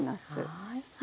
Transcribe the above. はい。